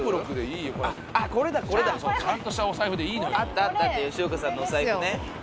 あったあったあった吉岡さんのお財布ね。